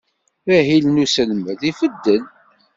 Ahil n uselmed ibeddel?